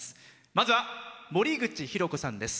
まずは森口博子さんです。